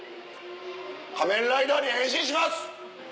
仮面ライダーに変身します！